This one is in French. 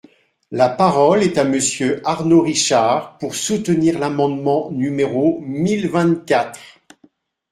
La parole est à Monsieur Arnaud Richard, pour soutenir l’amendement numéro mille vingt-quatre.